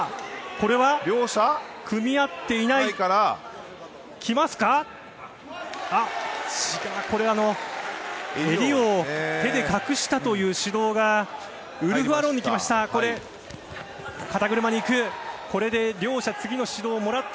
これは襟を手で隠したという指導がウルフ・アロンにきました。